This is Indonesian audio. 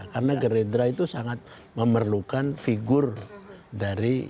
karena gerindra itu sangat memerlukan figur dari